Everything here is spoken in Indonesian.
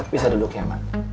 bisa duduk ya mak